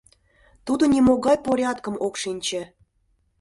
Тудо нимогай порядкым ок шинче.